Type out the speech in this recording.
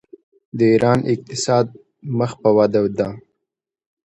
د ایران اقتصاد مخ په وده دی.